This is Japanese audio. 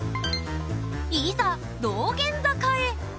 いざ道玄坂へ。